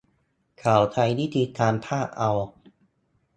เขาใช้วิธีการพากย์เอา